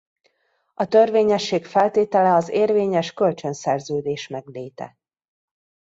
A törvényesség feltétele az érvényes kölcsönszerződés megléte.